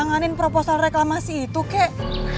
menanganin proposal reklamasi itu kek